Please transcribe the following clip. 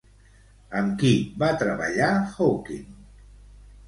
Amb qui va treballar Hawking?